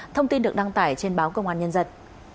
thông tin được đăng tải trên báo công an nhân dân